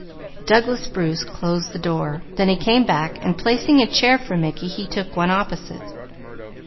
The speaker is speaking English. Douglas Bruce closed the door; then he came back and placing a chair for Mickey, he took one opposite.